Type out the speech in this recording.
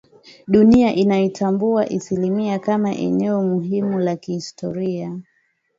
dunia inaitambua isimila kama eneo muhimu la kihistoria